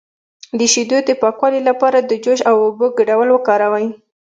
د شیدو د پاکوالي لپاره د جوش او اوبو ګډول وکاروئ